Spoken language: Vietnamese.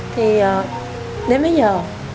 thì đến bây giờ